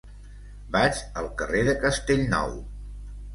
Vaig al carrer de Castellnou.